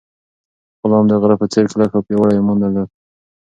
غلام د غره په څېر کلک او پیاوړی ایمان درلود.